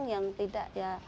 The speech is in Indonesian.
yang tidak ya